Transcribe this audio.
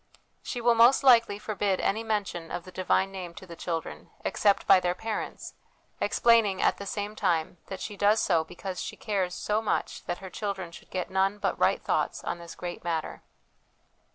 She will most likely forbid any mention of the Divine Name to the children, except by their parents, explaining at the same time that she does so because she cares so much that her children should get none but right thoughts on this great matter.